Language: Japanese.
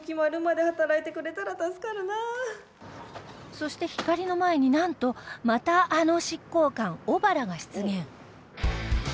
そしてひかりの前になんとまたあの執行官小原が出現